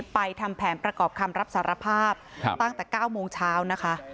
ทำแผนประกอบคำรับสารภาพตั้งแต่๙โมงเช้านะคะ